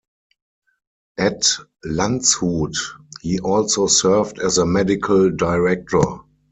At Landshut, he also served as a medical director.